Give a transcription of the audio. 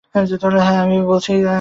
হ্যাঁ, আমি বলছি আছে।